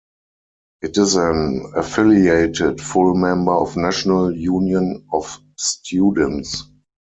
It is an affiliated full member of National Union of Students.